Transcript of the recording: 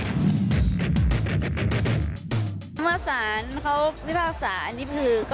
เค้าวิมารสาหรับพระศาลอันนี้คือ